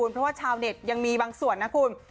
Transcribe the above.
เพราะว่าชาวเน็ตยังมีบางส่วนนะคุณ